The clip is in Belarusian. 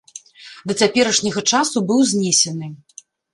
Да цяперашняга часу быў знесены.